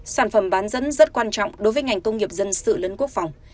sản phẩm bán dẫn rất quan trọng đối với ngành công nghiệp dân sự lớn quốc phòng